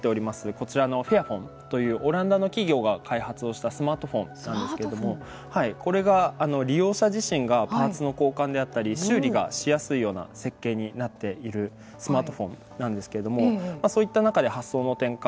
こちらのフェアホンというオランダの企業が開発をしたスマートフォンなんですけれどもこれが利用者自身がパーツの交換であったり修理がしやすいような設計になっているスマートフォンなんですけれどもそういった中で発想の転換。